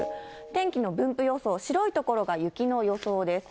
天気の分布予想、白い所が雪の予想です。